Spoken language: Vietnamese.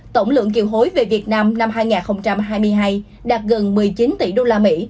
tổng lượng kiều hối về việt nam năm hai nghìn hai mươi hai đạt gần một mươi chín tỷ đô la mỹ